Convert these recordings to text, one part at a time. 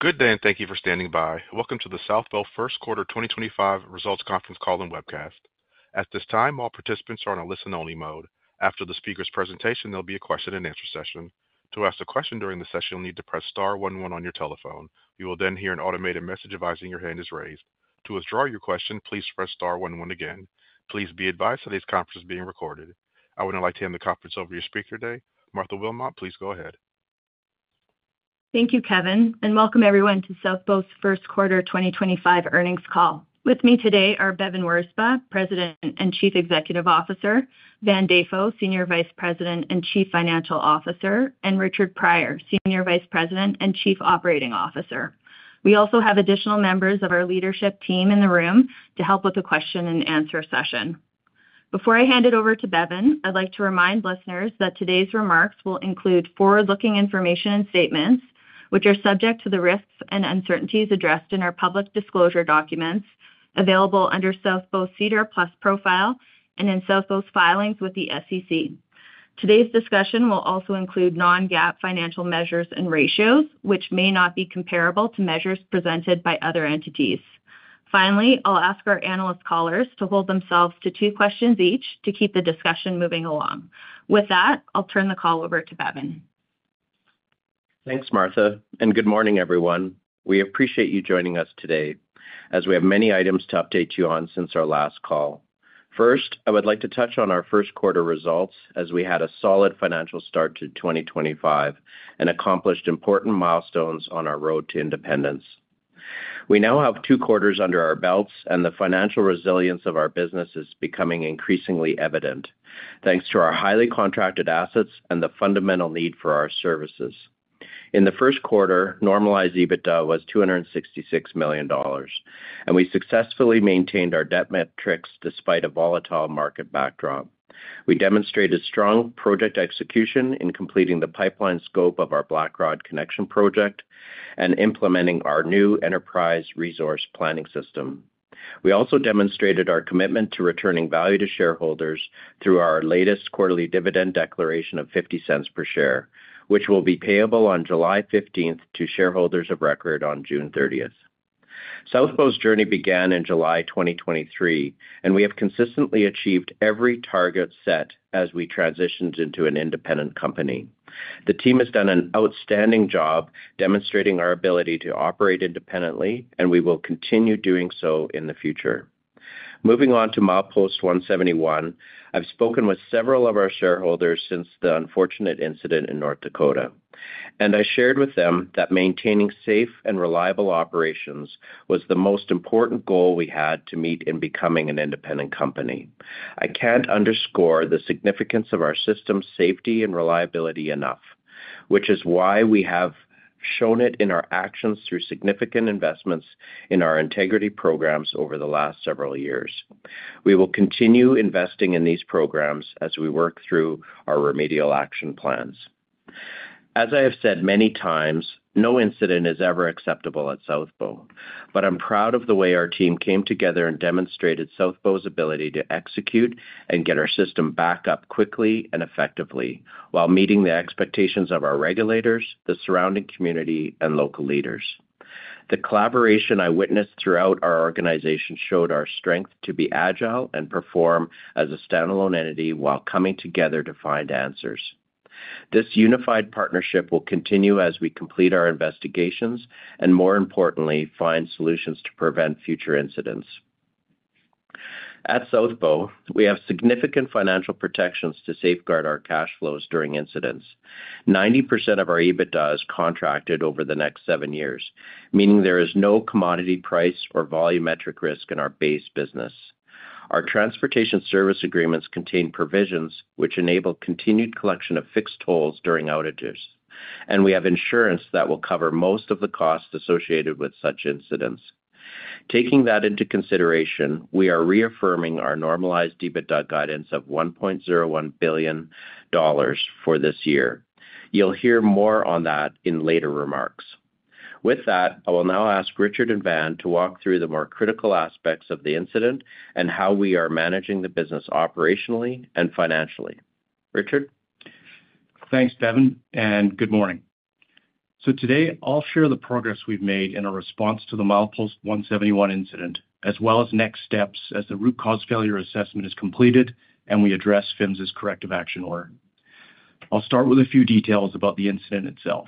Good day, and thank you for standing by. Welcome to the South Bow First Quarter 2025 Results Conference Call and webcast. At this time, all participants are on a listen-only mode. After the speaker's presentation, there'll be a question-and-answer session. To ask a question during the session, you'll need to press star one one on your telephone. You will then hear an automated message advising your hand is raised. To withdraw your question, please press star one one again. Please be advised today's conference is being recorded. I would now like to hand the conference over to your speaker today, Martha Wilmot. Please go ahead. Thank you, Kevin, and welcome everyone to South Bow's First Quarter 2025 earnings call. With me today are Bevin Wirzba, President and Chief Executive Officer; Van Dafoe, Senior Vice President and Chief Financial Officer; and Richard Prior, Senior Vice President and Chief Operating Officer. We also have additional members of our leadership team in the room to help with the question-and-answer session. Before I hand it over to Bevin, I'd like to remind listeners that today's remarks will include forward-looking information and statements, which are subject to the risks and uncertainties addressed in our public disclosure documents available under South Bow Cedar Plus profile and in South Bow's filings with the SEC. Today's discussion will also include non-GAAP financial measures and ratios, which may not be comparable to measures presented by other entities. Finally, I'll ask our analyst callers to hold themselves to two questions each to keep the discussion moving along. With that, I'll turn the call over to Bevin. Thanks, Martha, and good morning, everyone. We appreciate you joining us today, as we have many items to update you on since our last call. First, I would like to touch on our first quarter results, as we had a solid financial start to 2025 and accomplished important milestones on our road to independence. We now have two quarters under our belts, and the financial resilience of our business is becoming increasingly evident, thanks to our highly contracted assets and the fundamental need for our services. In the first quarter, normalized EBITDA was $266 million, and we successfully maintained our debt metrics despite a volatile market backdrop. We demonstrated strong project execution in completing the pipeline scope of our Black Rod Connection project and implementing our new enterprise resource planning system. We also demonstrated our commitment to returning value to shareholders through our latest quarterly dividend declaration of $0.50 per share, which will be payable on July 15th to shareholders of record on June 30th. South Bow's journey began in July 2023, and we have consistently achieved every target set as we transitioned into an independent company. The team has done an outstanding job demonstrating our ability to operate independently, and we will continue doing so in the future. Moving on to Milepost 171, I've spoken with several of our shareholders since the unfortunate incident in North Dakota, and I shared with them that maintaining safe and reliable operations was the most important goal we had to meet in becoming an independent company. I can't underscore the significance of our system's safety and reliability enough, which is why we have shown it in our actions through significant investments in our integrity programs over the last several years. We will continue investing in these programs as we work through our remedial action plans. As I have said many times, no incident is ever acceptable at South Bow, but I'm proud of the way our team came together and demonstrated South Bow's ability to execute and get our system back up quickly and effectively while meeting the expectations of our regulators, the surrounding community, and local leaders. The collaboration I witnessed throughout our organization showed our strength to be agile and perform as a standalone entity while coming together to find answers. This unified partnership will continue as we complete our investigations and, more importantly, find solutions to prevent future incidents. At South Bow, we have significant financial protections to safeguard our cash flows during incidents. 90% of our EBITDA is contracted over the next seven years, meaning there is no commodity price or volumetric risk in our base business. Our transportation service agreements contain provisions which enable continued collection of fixed tolls during outages, and we have insurance that will cover most of the costs associated with such incidents. Taking that into consideration, we are reaffirming our normalized EBITDA guidance of $1.01 billion for this year. You'll hear more on that in later remarks. With that, I will now ask Richard and Van to walk through the more critical aspects of the incident and how we are managing the business operationally and financially. Richard? Thanks, Bevin, and good morning. Today, I'll share the progress we've made in our response to the Milepost 171 incident, as well as next steps as the root cause failure assessment is completed and we address PHMSA's corrective action order. I'll start with a few details about the incident itself.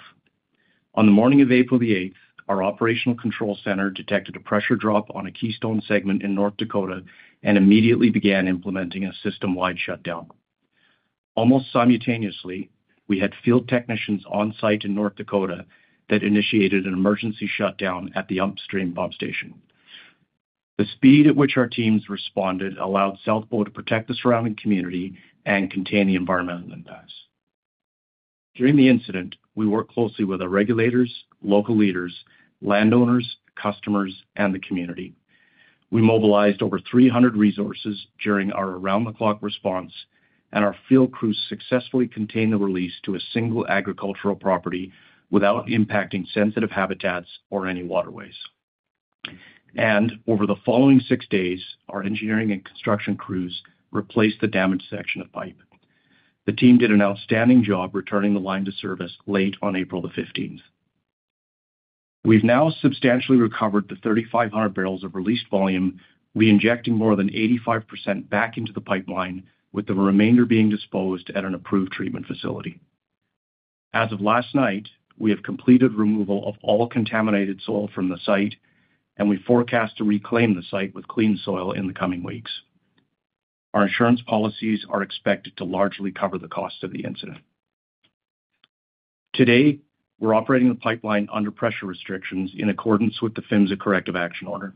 On the morning of April the 8th, our operational control center detected a pressure drop on a Keystone segment in North Dakota and immediately began implementing a system-wide shutdown. Almost simultaneously, we had field technicians on site in North Dakota that initiated an emergency shutdown at the upstream pump station. The speed at which our teams responded allowed South Bow to protect the surrounding community and contain the environmental impacts. During the incident, we worked closely with our regulators, local leaders, landowners, customers, and the community. We mobilized over 300 resources during our around-the-clock response, and our field crews successfully contained the release to a single agricultural property without impacting sensitive habitats or any waterways. Over the following six days, our engineering and construction crews replaced the damaged section of pipe. The team did an outstanding job returning the line to service late on April the 15th. We have now substantially recovered the 3,500 barrels of released volume, re-injecting more than 85% back into the pipeline, with the remainder being disposed at an approved treatment facility. As of last night, we have completed removal of all contaminated soil from the site, and we forecast to reclaim the site with clean soil in the coming weeks. Our insurance policies are expected to largely cover the cost of the incident. Today, we are operating the pipeline under pressure restrictions in accordance with the PHMSA Corrective Action Order.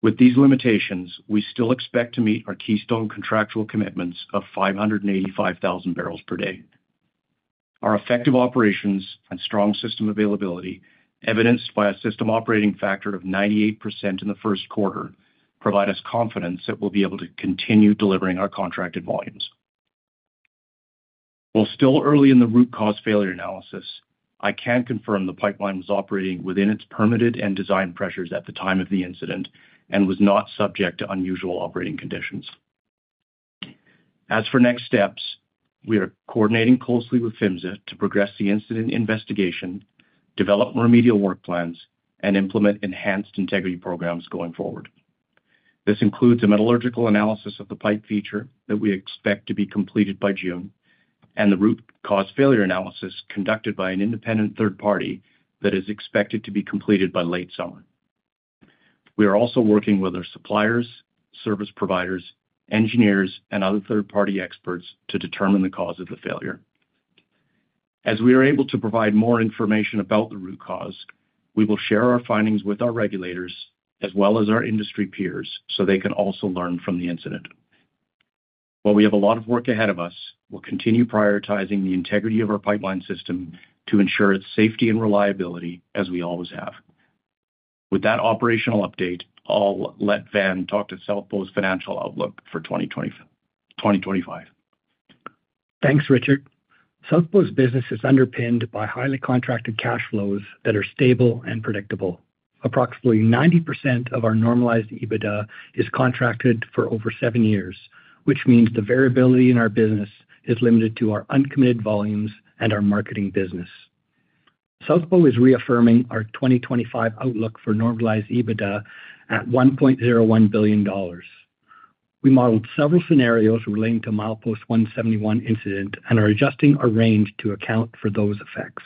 With these limitations, we still expect to meet our Keystone contractual commitments of 585,000 barrels per day. Our effective operations and strong system availability, evidenced by a system operating factor of 98% in the first quarter, provide us confidence that we'll be able to continue delivering our contracted volumes. While still early in the root cause failure analysis, I can confirm the pipeline was operating within its permitted and designed pressures at the time of the incident and was not subject to unusual operating conditions. As for next steps, we are coordinating closely with PHMSA to progress the incident investigation, develop remedial work plans, and implement enhanced integrity programs going forward. This includes a metallurgical analysis of the pipe feature that we expect to be completed by June and the root cause failure analysis conducted by an independent third party that is expected to be completed by late summer. We are also working with our suppliers, service providers, engineers, and other third-party experts to determine the cause of the failure. As we are able to provide more information about the root cause, we will share our findings with our regulators as well as our industry peers so they can also learn from the incident. While we have a lot of work ahead of us, we'll continue prioritizing the integrity of our pipeline system to ensure its safety and reliability as we always have. With that operational update, I'll let Van talk to South Bow's financial outlook for 2025. Thanks, Richard. South Bow's business is underpinned by highly contracted cash flows that are stable and predictable. Approximately 90% of our normalized EBITDA is contracted for over seven years, which means the variability in our business is limited to our uncommitted volumes and our marketing business. South Bow is reaffirming our 2025 outlook for normalized EBITDA at $1.01 billion. We modeled several scenarios relating to Milepost 171 incident and are adjusting our range to account for those effects.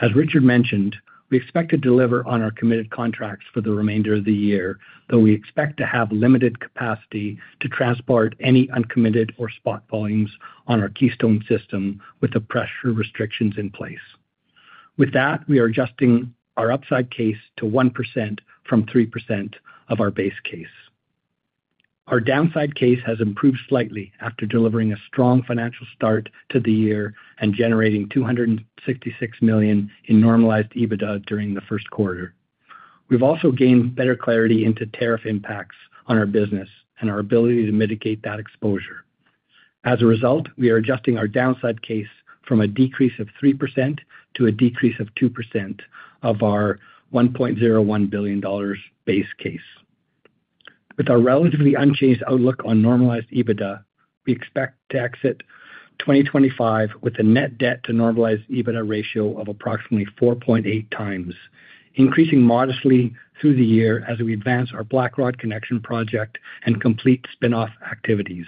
As Richard mentioned, we expect to deliver on our committed contracts for the remainder of the year, though we expect to have limited capacity to transport any uncommitted or spot volumes on our Keystone system with the pressure restrictions in place. With that, we are adjusting our upside case to 1% from 3% of our base case. Our downside case has improved slightly after delivering a strong financial start to the year and generating $266 million in normalized EBITDA during the first quarter. We've also gained better clarity into tariff impacts on our business and our ability to mitigate that exposure. As a result, we are adjusting our downside case from a decrease of 3% to a decrease of 2% of our $1.01 billion base case. With our relatively unchanged outlook on normalized EBITDA, we expect to exit 2025 with a net debt-to-normalized EBITDA ratio of approximately 4.8 times, increasing modestly through the year as we advance our Black Rod Connection project and complete spinoff activities.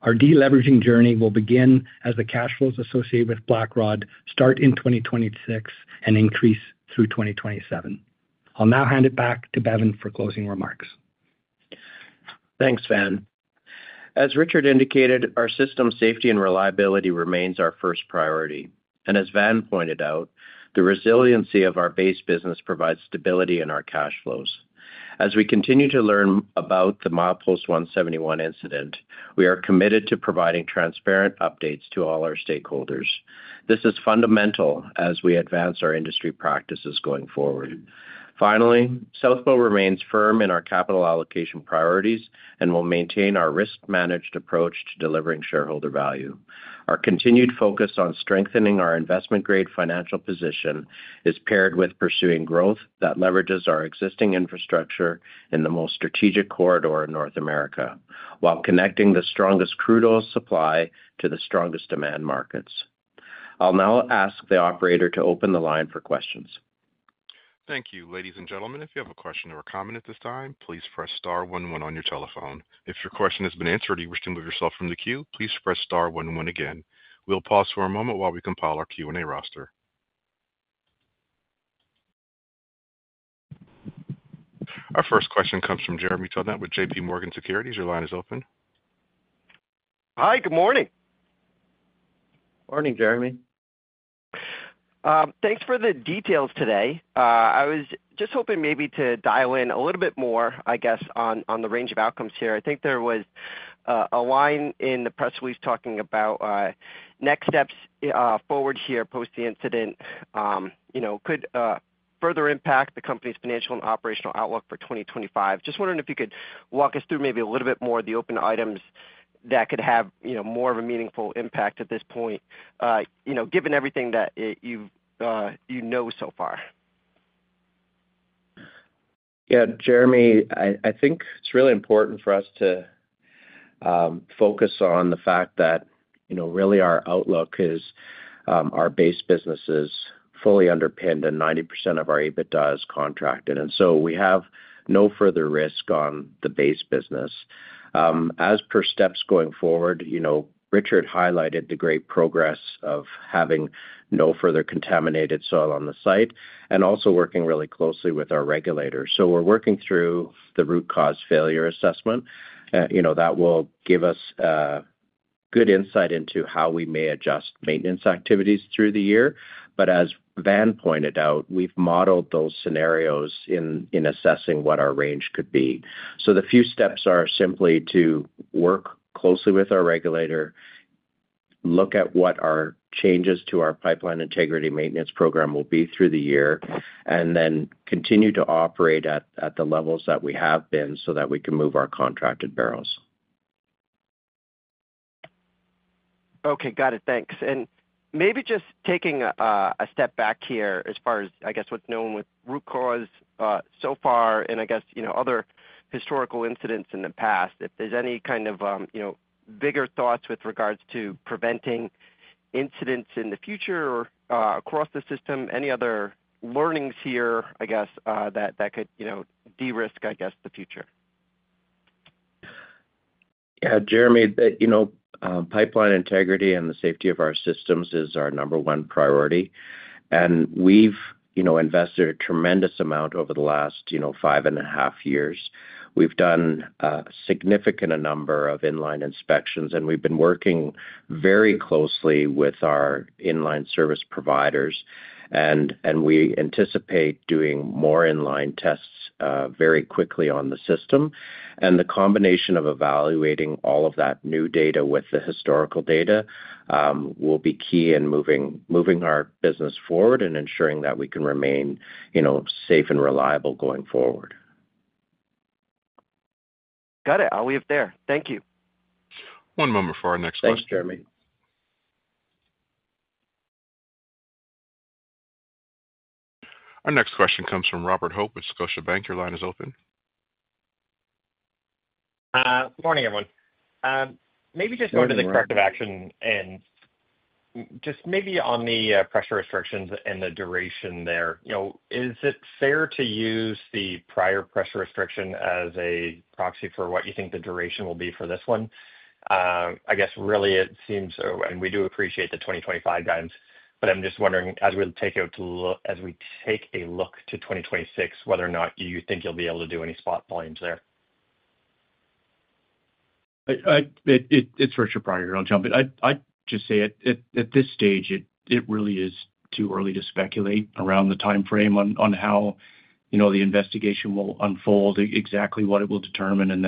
Our deleveraging journey will begin as the cash flows associated with Black Rod start in 2026 and increase through 2027. I'll now hand it back to Bevin for closing remarks. Thanks, Van. As Richard indicated, our system safety and reliability remains our first priority, and as Van pointed out, the resiliency of our base business provides stability in our cash flows. As we continue to learn about the Milepost 171 incident, we are committed to providing transparent updates to all our stakeholders. This is fundamental as we advance our industry practices going forward. Finally, South Bow remains firm in our capital allocation priorities and will maintain our risk-managed approach to delivering shareholder value. Our continued focus on strengthening our investment-grade financial position is paired with pursuing growth that leverages our existing infrastructure in the most strategic corridor in North America while connecting the strongest crude oil supply to the strongest demand markets. I'll now ask the operator to open the line for questions. Thank you. Ladies and gentlemen, if you have a question or a comment at this time, please press star one one on your telephone. If your question has been answered or you wish to move yourself from the queue, please press star one one again. We'll pause for a moment while we compile our Q&A roster. Our first question comes from Jeremy Tonet with JPMorgan Securities. Your line is open. Hi, good morning. Morning, Jeremy. Thanks for the details today. I was just hoping maybe to dial in a little bit more, I guess, on the range of outcomes here. I think there was a line in the press release talking about next steps forward here post the incident could further impact the company's financial and operational outlook for 2025. Just wondering if you could walk us through maybe a little bit more of the open items that could have more of a meaningful impact at this point, given everything that you know so far. Yeah, Jeremy, I think it's really important for us to focus on the fact that really our outlook is our base business is fully underpinned and 90% of our EBITDA is contracted. We have no further risk on the base business. As per steps going forward, Richard highlighted the great progress of having no further contaminated soil on the site and also working really closely with our regulators. We are working through the root cause failure assessment that will give us good insight into how we may adjust maintenance activities through the year. As Van pointed out, we've modeled those scenarios in assessing what our range could be. The few steps are simply to work closely with our regulator, look at what our changes to our pipeline integrity maintenance program will be through the year, and then continue to operate at the levels that we have been so that we can move our contracted barrels. Okay, got it. Thanks. Maybe just taking a step back here as far as, I guess, what's known with root cause so far and, I guess, other historical incidents in the past, if there's any kind of bigger thoughts with regards to preventing incidents in the future or across the system, any other learnings here, I guess, that could de-risk, I guess, the future? Yeah, Jeremy, pipeline integrity and the safety of our systems is our number one priority. We have invested a tremendous amount over the last five and a half years. We have done a significant number of inline inspections, and we have been working very closely with our inline service providers. We anticipate doing more inline tests very quickly on the system. The combination of evaluating all of that new data with the historical data will be key in moving our business forward and ensuring that we can remain safe and reliable going forward. Got it. I'll leave it there. Thank you. One moment for our next question. Thanks, Jeremy. Our next question comes from Robert Hope with Scotiabank. Your line is open. Good morning, everyone. Maybe just going to the corrective action and just maybe on the pressure restrictions and the duration there, is it fair to use the prior pressure restriction as a proxy for what you think the duration will be for this one? I guess really it seems, and we do appreciate the 2025 guidance, but I'm just wondering as we take a look to 2026, whether or not you think you'll be able to do any spot volumes there. It's Richard Prior. I'll jump in. I'd just say at this stage, it really is too early to speculate around the timeframe on how the investigation will unfold, exactly what it will determine, and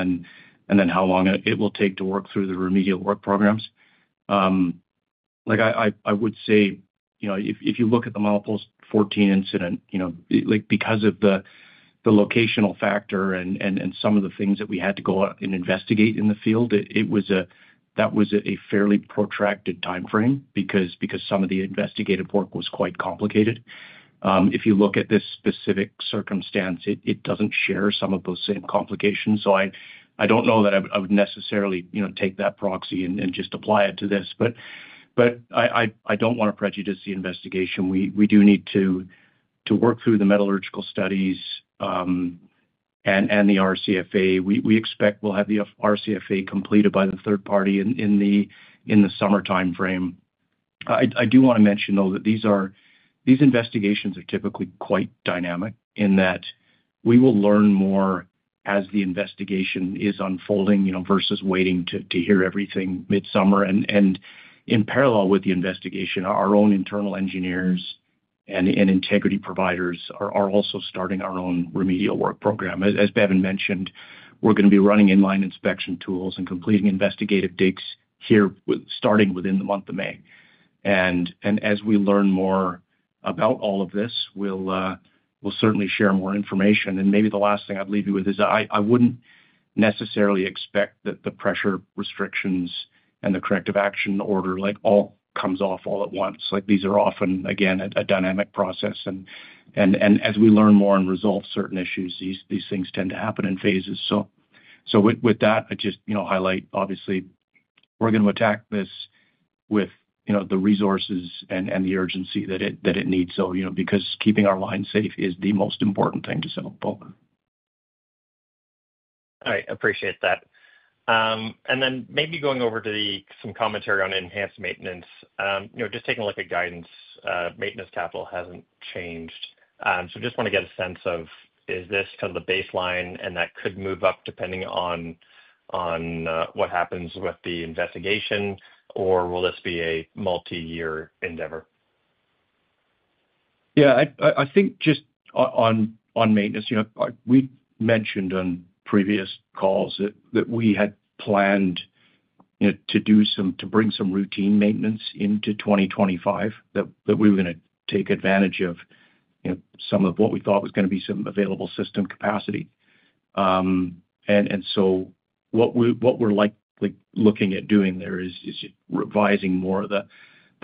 then how long it will take to work through the remedial work programs. I would say if you look at the Milepost 171 incident, because of the locational factor and some of the things that we had to go out and investigate in the field, that was a fairly protracted timeframe because some of the investigative work was quite complicated. If you look at this specific circumstance, it doesn't share some of those same complications. I don't know that I would necessarily take that proxy and just apply it to this. I don't want to prejudice the investigation. We do need to work through the metallurgical studies and the RCFA. We expect we'll have the RCFA completed by the third party in the summer timeframe. I do want to mention, though, that these investigations are typically quite dynamic in that we will learn more as the investigation is unfolding versus waiting to hear everything mid-summer. In parallel with the investigation, our own internal engineers and integrity providers are also starting our own remedial work program. As Bevin mentioned, we're going to be running inline inspection tools and completing investigative digs here starting within the month of May. As we learn more about all of this, we'll certainly share more information. Maybe the last thing I'd leave you with is I wouldn't necessarily expect that the pressure restrictions and the corrective action order all comes off all at once. These are often, again, a dynamic process. As we learn more and resolve certain issues, these things tend to happen in phases. With that, I just highlight, obviously, we're going to attack this with the resources and the urgency that it needs because keeping our line safe is the most important thing to South Bow. All right. Appreciate that. Maybe going over to some commentary on enhanced maintenance, just taking a look at guidance, maintenance capital hasn't changed. Just want to get a sense of, is this kind of the baseline and that could move up depending on what happens with the investigation, or will this be a multi-year endeavor? Yeah, I think just on maintenance, we mentioned on previous calls that we had planned to bring some routine maintenance into 2025, that we were going to take advantage of some of what we thought was going to be some available system capacity. What we're likely looking at doing there is revising more of the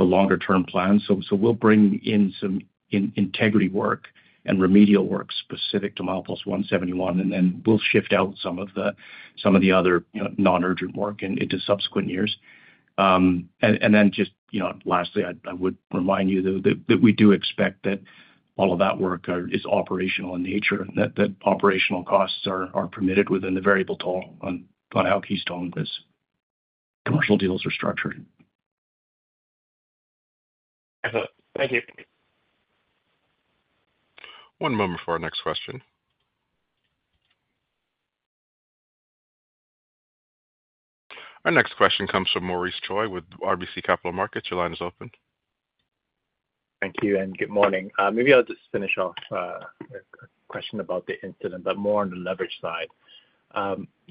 longer-term plans. We'll bring in some integrity work and remedial work specific to Milepost 171, and then we'll shift out some of the other non-urgent work into subsequent years. Lastly, I would remind you that we do expect that all of that work is operational in nature, that operational costs are permitted within the variable toll on how Keystone's commercial deals are structured. Thank you. One moment for our next question. Our next question comes from Maurice Choi with RBC Capital Markets. Your line is open. Thank you. Good morning. Maybe I'll just finish off with a question about the incident, but more on the leverage side.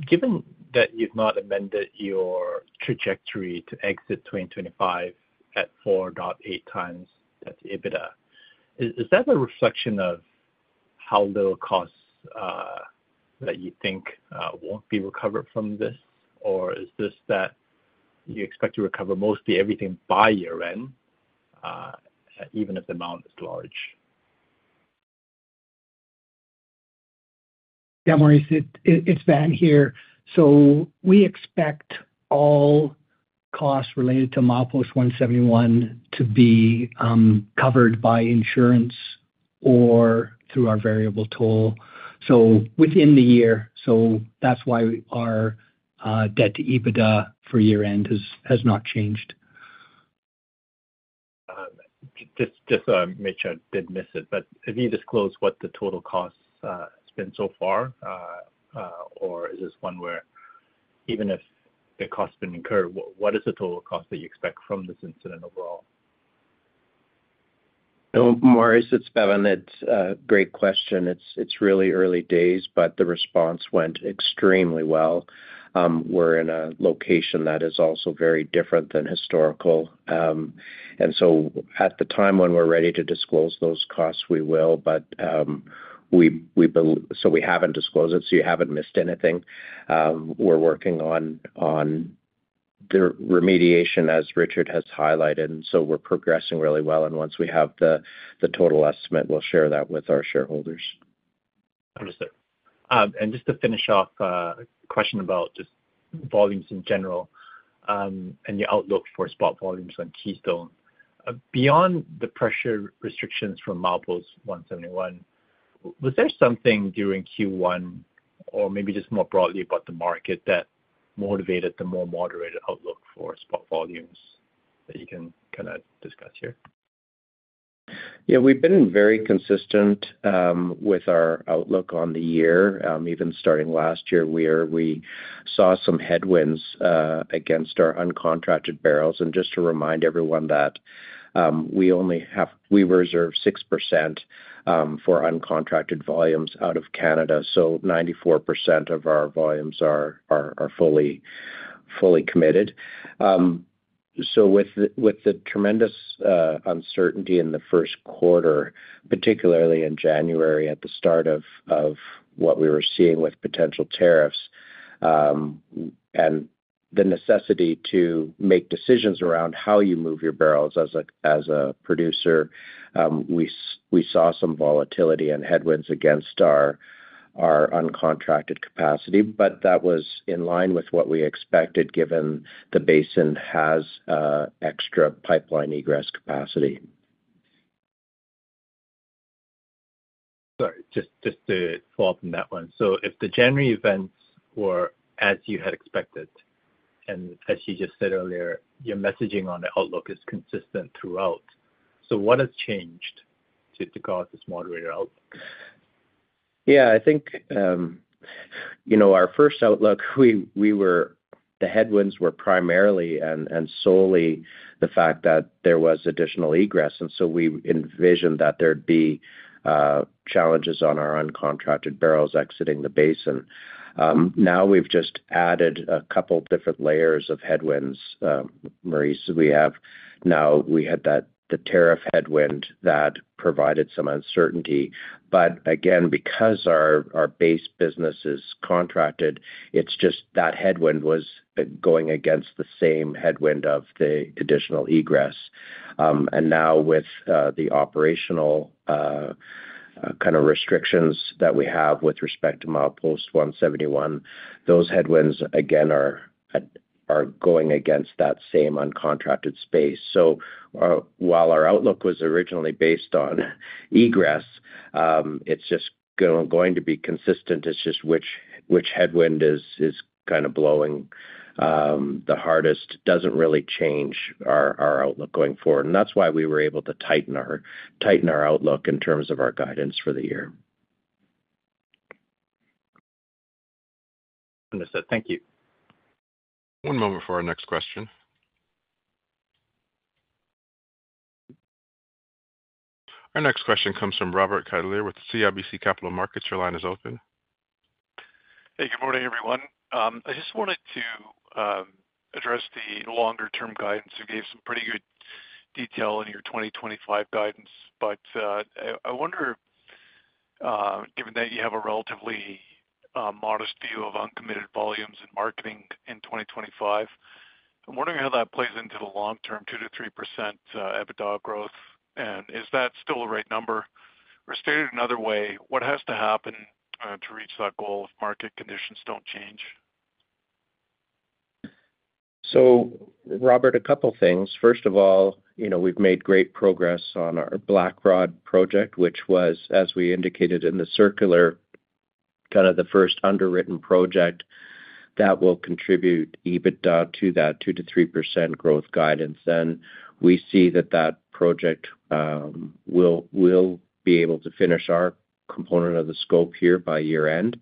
Given that you've not amended your trajectory to exit 2025 at 4.8 times EBITDA, is that a reflection of how little costs that you think won't be recovered from this, or is this that you expect to recover mostly everything by year-end, even if the amount is large? Yeah, Maurice, it's Van here. We expect all costs related to Milepost 171 to be covered by insurance or through our variable toll within the year. That's why our debt to EBITDA for year-end has not changed. Just to make sure I didn't miss it, but have you disclosed what the total costs have been so far, or is this one where even if the costs have been incurred, what is the total cost that you expect from this incident overall? Maurice, it's Bevin. It's a great question. It's really early days, but the response went extremely well. We're in a location that is also very different than historical. At the time when we're ready to disclose those costs, we will. We haven't disclosed it, so you haven't missed anything. We're working on the remediation, as Richard has highlighted. We're progressing really well. Once we have the total estimate, we'll share that with our shareholders. Understood. Just to finish off, a question about just volumes in general and your outlook for spot volumes on Keystone. Beyond the pressure restrictions from Milepost 171, was there something during Q1 or maybe just more broadly about the market that motivated the more moderate outlook for spot volumes that you can kind of discuss here? Yeah, we've been very consistent with our outlook on the year. Even starting last year, we saw some headwinds against our uncontracted barrels. And just to remind everyone that we reserve 6% for uncontracted volumes out of Canada. So 94% of our volumes are fully committed. With the tremendous uncertainty in the first quarter, particularly in January at the start of what we were seeing with potential tariffs and the necessity to make decisions around how you move your barrels as a producer, we saw some volatility and headwinds against our uncontracted capacity. That was in line with what we expected given the basin has extra pipeline egress capacity. Sorry, just to follow up on that one. If the January events were as you had expected, and as you just said earlier, your messaging on the outlook is consistent throughout. What has changed to call it this moderate outlook? Yeah, I think our first outlook, the headwinds were primarily and solely the fact that there was additional egress. We envisioned that there'd be challenges on our uncontracted barrels exiting the basin. Now we've just added a couple of different layers of headwinds. Maurice, we have now we had the tariff headwind that provided some uncertainty. Again, because our base business is contracted, it's just that headwind was going against the same headwind of the additional egress. Now with the operational kind of restrictions that we have with respect to Milepost 171, those headwinds, again, are going against that same uncontracted space. While our outlook was originally based on egress, it's just going to be consistent. It's just which headwind is kind of blowing the hardest doesn't really change our outlook going forward. That is why we were able to tighten our outlook in terms of our guidance for the year. Understood. Thank you. One moment for our next question. Our next question comes from Robert Catellier with CIBC Capital Markets. Your line is open. Hey, good morning, everyone. I just wanted to address the longer-term guidance. You gave some pretty good detail in your 2025 guidance. I wonder, given that you have a relatively modest view of uncommitted volumes and marketing in 2025, I'm wondering how that plays into the long-term 2-3% EBITDA growth. Is that still the right number? Or stated another way, what has to happen to reach that goal if market conditions do not change? Robert, a couple of things. First of all, we've made great progress on our Black Rod project, which was, as we indicated in the circular, kind of the first underwritten project that will contribute EBITDA to that 2-3% growth guidance. We see that that project will be able to finish our component of the scope here by year-end.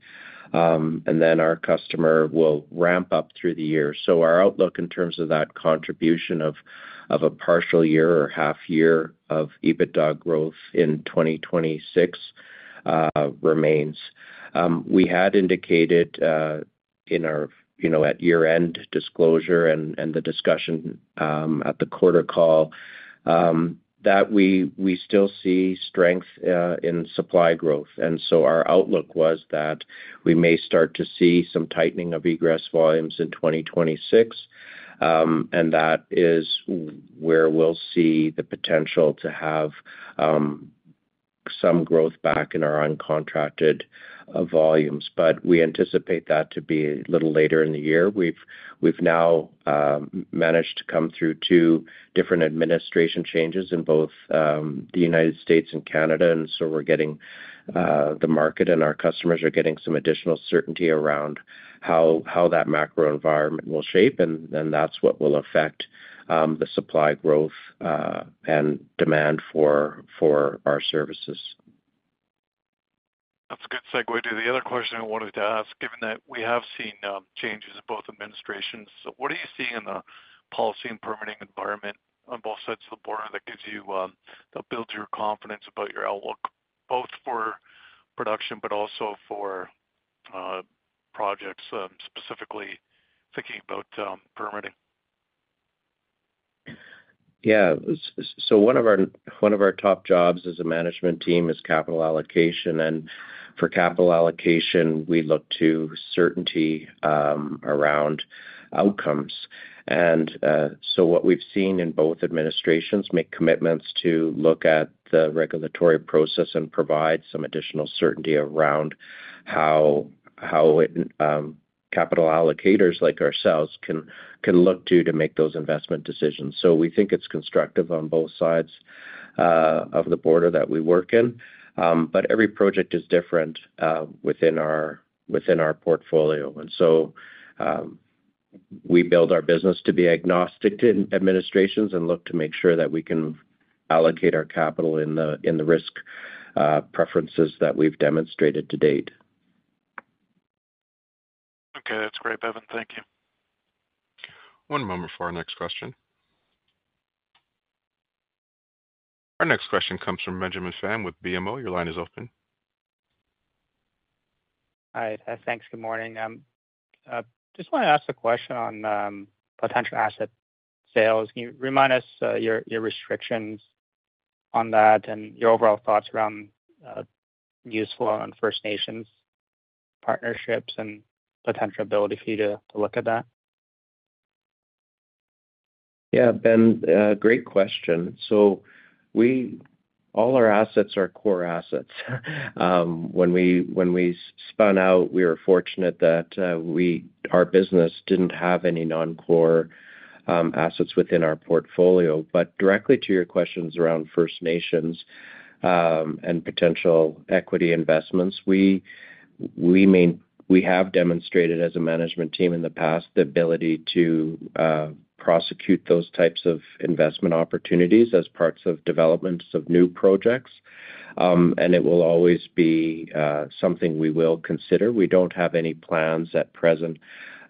Our customer will ramp up through the year. Our outlook in terms of that contribution of a partial year or half-year of EBITDA growth in 2026 remains. We had indicated in our year-end disclosure and the discussion at the quarter call that we still see strength in supply growth. Our outlook was that we may start to see some tightening of egress volumes in 2026. That is where we'll see the potential to have some growth back in our uncontracted volumes. We anticipate that to be a little later in the year. We've now managed to come through two different administration changes in both the United States and Canada. We're getting the market and our customers are getting some additional certainty around how that macro environment will shape. That's what will affect the supply growth and demand for our services. That's a good segue to the other question I wanted to ask. Given that we have seen changes in both administrations, what are you seeing in the policy and permitting environment on both sides of the border that builds your confidence about your outlook, both for production but also for projects, specifically thinking about permitting? Yeah. One of our top jobs as a management team is capital allocation. For capital allocation, we look to certainty around outcomes. What we have seen is both administrations make commitments to look at the regulatory process and provide some additional certainty around how capital allocators like ourselves can look to make those investment decisions. We think it is constructive on both sides of the border that we work in. Every project is different within our portfolio. We build our business to be agnostic to administrations and look to make sure that we can allocate our capital in the risk preferences that we have demonstrated to date. Okay. That's great, Bevin. Thank you. One moment for our next question. Our next question comes from Benjamin Van with BMO. Your line is open. Hi. Thanks. Good morning. Just want to ask a question on potential asset sales. Can you remind us your restrictions on that and your overall thoughts around useful and First Nations partnerships and potential ability for you to look at that? Yeah, Ben, great question. All our assets are core assets. When we spun out, we were fortunate that our business did not have any non-core assets within our portfolio. Directly to your questions around First Nations and potential equity investments, we have demonstrated as a management team in the past the ability to prosecute those types of investment opportunities as parts of developments of new projects. It will always be something we will consider. We do not have any plans at present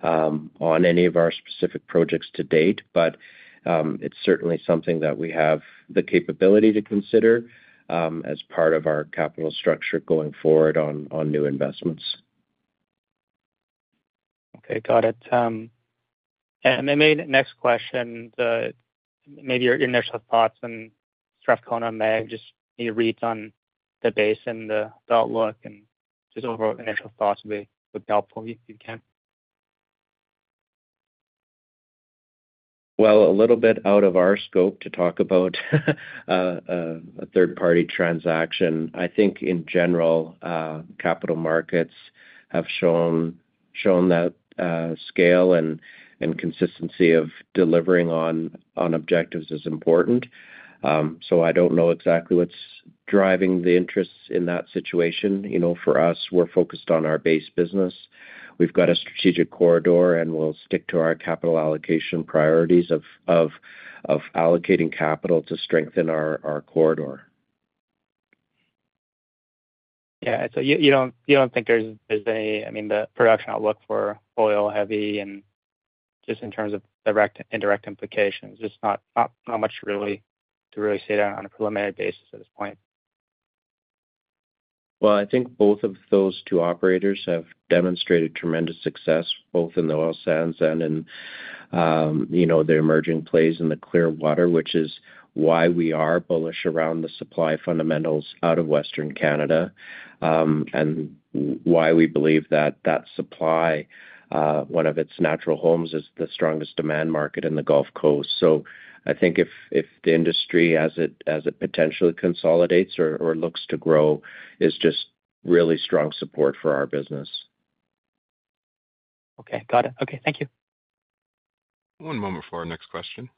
on any of our specific projects to date, but it is certainly something that we have the capability to consider as part of our capital structure going forward on new investments. Okay. Got it. Maybe next question, maybe your initial thoughts and stuff going on, maybe just your reads on the basin, the outlook, and just overall initial thoughts would be helpful if you can. A little bit out of our scope to talk about a third-party transaction. I think in general, capital markets have shown that scale and consistency of delivering on objectives is important. I do not know exactly what is driving the interests in that situation. For us, we are focused on our base business. We have got a strategic corridor, and we will stick to our capital allocation priorities of allocating capital to strengthen our corridor. Yeah. You do not think there is any—I mean, the production outlook for oil-heavy and just in terms of direct and indirect implications, just not much really to really say that on a preliminary basis at this point. I think both of those two operators have demonstrated tremendous success both in the oil sands and in the emerging plays in the Clearwater, which is why we are bullish around the supply fundamentals out of Western Canada and why we believe that that supply, one of its natural homes, is the strongest demand market in the Gulf Coast. I think if the industry, as it potentially consolidates or looks to grow, is just really strong support for our business. Okay. Got it. Okay. Thank you. One moment for our next question.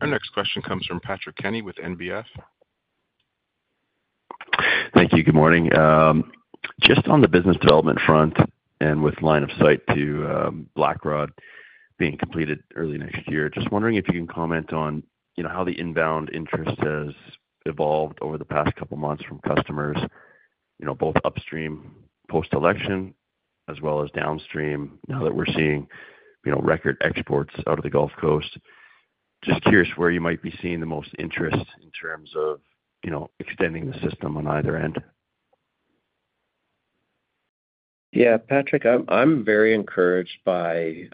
Our next question comes from Patrick Kenny with NBF. Thank you. Good morning. Just on the business development front and with line of sight to Black Rod being completed early next year, just wondering if you can comment on how the inbound interest has evolved over the past couple of months from customers, both upstream post-election as well as downstream now that we're seeing record exports out of the Gulf Coast. Just curious where you might be seeing the most interest in terms of extending the system on either end. Yeah, Patrick, I'm very encouraged by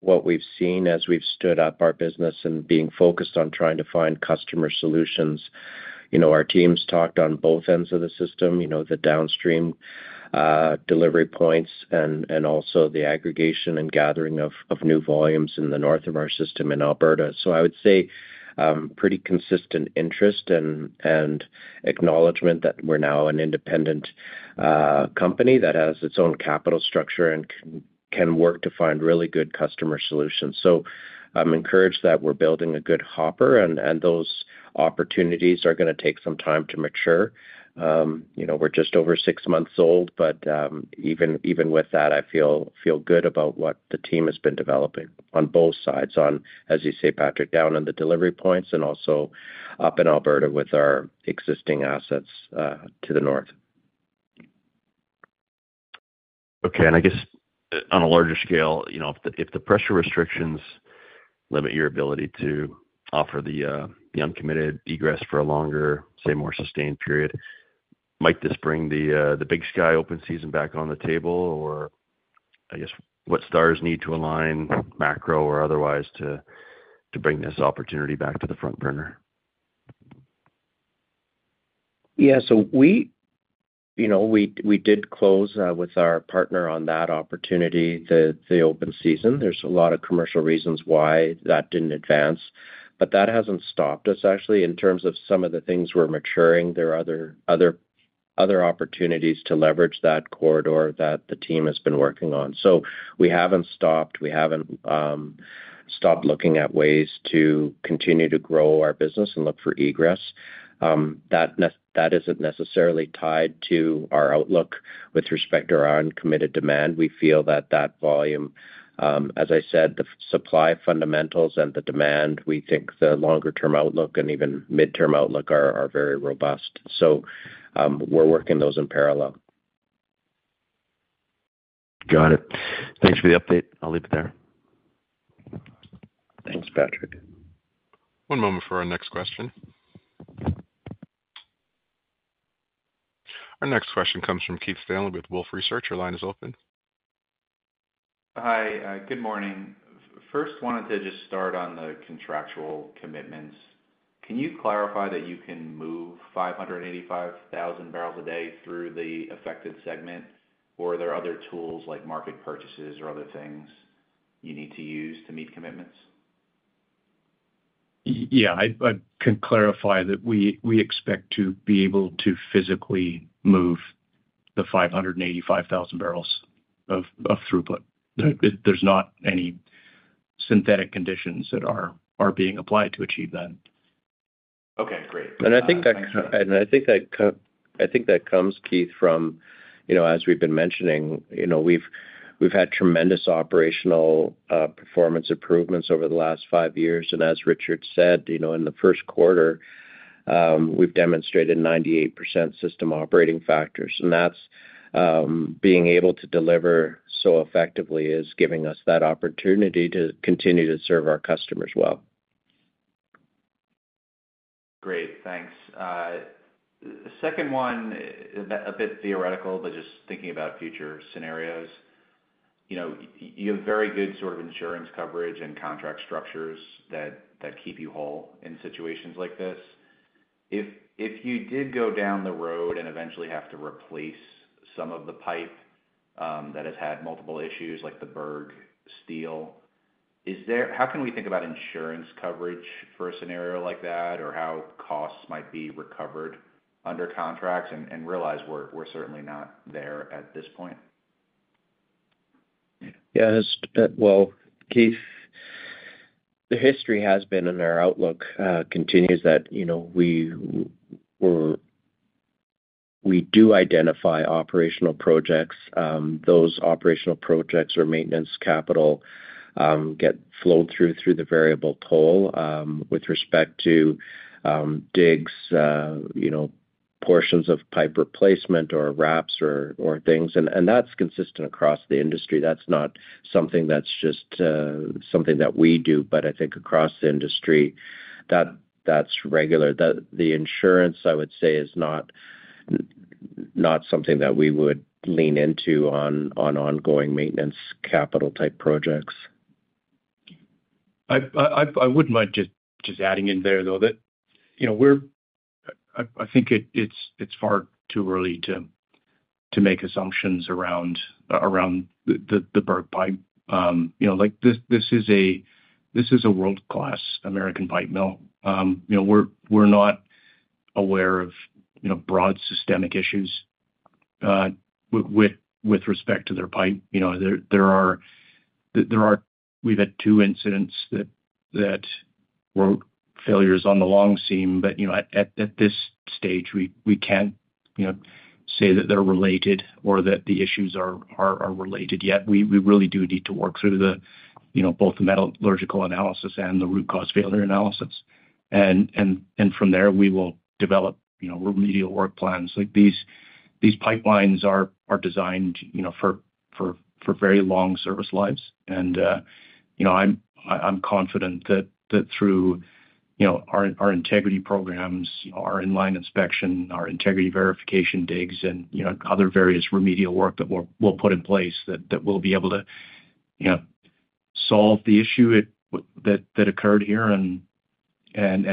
what we've seen as we've stood up our business and being focused on trying to find customer solutions. Our teams talked on both ends of the system, the downstream delivery points and also the aggregation and gathering of new volumes in the north of our system in Alberta. I would say pretty consistent interest and acknowledgment that we're now an independent company that has its own capital structure and can work to find really good customer solutions. I'm encouraged that we're building a good hopper, and those opportunities are going to take some time to mature. We're just over six months old, but even with that, I feel good about what the team has been developing on both sides, as you say, Patrick, down in the delivery points and also up in Alberta with our existing assets to the north. Okay. I guess on a larger scale, if the pressure restrictions limit your ability to offer the uncommitted egress for a longer, say, more sustained period, might this bring the Big Sky open season back on the table? I guess what stars need to align, macro or otherwise, to bring this opportunity back to the front burner? Yeah. We did close with our partner on that opportunity, the open season. There are a lot of commercial reasons why that did not advance. That has not stopped us, actually. In terms of some of the things we are maturing, there are other opportunities to leverage that corridor that the team has been working on. We have not stopped. We have not stopped looking at ways to continue to grow our business and look for egress. That is not necessarily tied to our outlook with respect to our uncommitted demand. We feel that volume, as I said, the supply fundamentals and the demand, we think the longer-term outlook and even midterm outlook are very robust. We are working those in parallel. Got it. Thanks for the update. I'll leave it there. Thanks, Patrick. One moment for our next question. Our next question comes from Keith Stanley with Wolfe Research. Your line is open. Hi. Good morning. First, wanted to just start on the contractual commitments. Can you clarify that you can move 585,000 barrels a day through the affected segment? Or are there other tools like market purchases or other things you need to use to meet commitments? Yeah. I can clarify that we expect to be able to physically move the 585,000 barrels of throughput. There's not any synthetic conditions that are being applied to achieve that. Okay. Great. I think that comes, Keith, from, as we've been mentioning, we've had tremendous operational performance improvements over the last five years. As Richard said, in the first quarter, we've demonstrated 98% system operating factors. That's being able to deliver so effectively is giving us that opportunity to continue to serve our customers well. Great. Thanks. Second one, a bit theoretical, but just thinking about future scenarios. You have very good sort of insurance coverage and contract structures that keep you whole in situations like this. If you did go down the road and eventually have to replace some of the pipe that has had multiple issues like the Berg steel, how can we think about insurance coverage for a scenario like that or how costs might be recovered under contracts and realize we're certainly not there at this point? Yeah. Keith, the history has been and our outlook continues that we do identify operational projects. Those operational projects or maintenance capital get flowed through the variable toll with respect to digs, portions of pipe replacement, or wraps or things. That is consistent across the industry. That is not something that is just something that we do. I think across the industry, that is regular. The insurance, I would say, is not something that we would lean into on ongoing maintenance capital type projects. I wouldn't mind just adding in there, though, that I think it's far too early to make assumptions around the Berg pipe. This is a world-class American pipe mill. We're not aware of broad systemic issues with respect to their pipe. We've had two incidents that were failures on the long seam. At this stage, we can't say that they're related or that the issues are related yet. We really do need to work through both the metallurgical analysis and the root cause failure analysis. From there, we will develop remedial work plans. These pipelines are designed for very long service lives. I'm confident that through our integrity programs, our inline inspection, our integrity verification digs, and other various remedial work that we'll put in place, we'll be able to solve the issue that occurred here and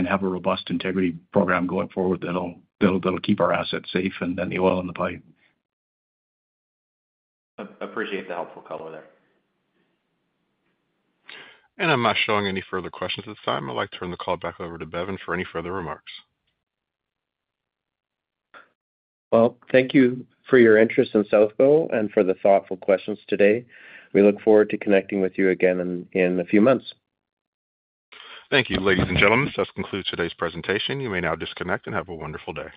have a robust integrity program going forward that'll keep our assets safe and the oil in the pipe. Appreciate the helpful color there. I'm not showing any further questions at this time. I'd like to turn the call back over to Bevin for any further remarks. Thank you for your interest in South Bow and for the thoughtful questions today. We look forward to connecting with you again in a few months. Thank you, ladies and gentlemen. That concludes today's presentation. You may now disconnect and have a wonderful day.